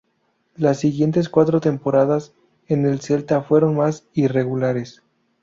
Las siguientes cuatro temporadas en el Celta fueron más irregulares.